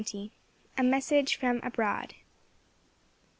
A MESSAGE FROM ABROAD.